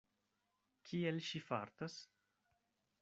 Kiel ŝi fartas?